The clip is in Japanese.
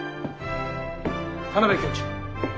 田邊教授。